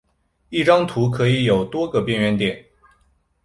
一张图可以有多个边缘点。